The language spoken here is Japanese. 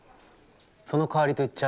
そのかわりと言っちゃ